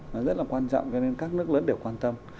nó rất là quan trọng cho nên các nước lớn đều quan tâm